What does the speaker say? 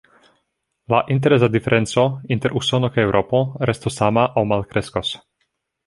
La intereza diferenco inter Usono kaj Eŭropo restos sama aŭ malkreskos.